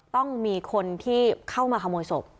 ต้องมีคนที่เข้ามาขโมยศพ